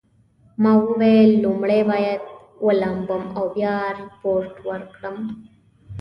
ما وویل لومړی باید ولامبم او بیا ریپورټ ورکړم.